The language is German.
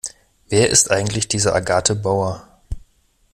Wer ist eigentlich diese Agathe Bauer?